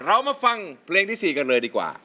เรามาฟังเพลงที่๔กันเลยดีกว่า